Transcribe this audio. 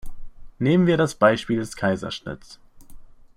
Nehmen wir das Beispiel des Kaiserschnitts.